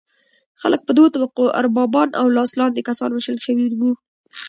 خلک په دوه طبقو اربابان او لاس لاندې کسان ویشل شوي وو.